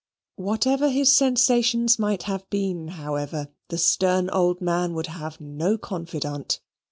Whatever his sensations might have been, however, the stern old man would have no confidant.